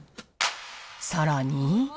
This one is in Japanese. さらに。